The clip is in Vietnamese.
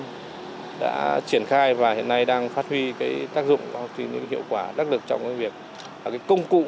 ubnd đã triển khai và hiện nay đang phát huy tác dụng hiệu quả đắc lực trong công cụ